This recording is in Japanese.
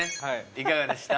いかがでした？